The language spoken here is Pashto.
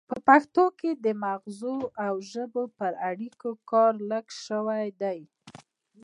په پښتو کې د مغزو او ژبې پر اړیکو کار لږ شوی دی